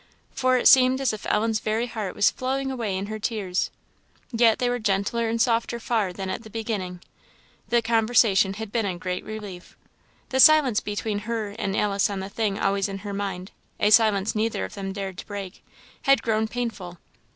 For it seemed as if Ellen's very heart was flowing away in her tears; yet they were gentler and softer far than at the beginning. The conversation had been a great relief. The silence between her and Alice on the thing always in her mind a silence neither of them dared to break had grown painful.